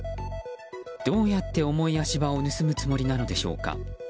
どうやって重い足場を盗むつもりなのでしょうか。